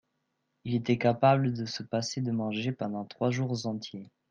Il était capable de se passer de manger pendant trois jours entier.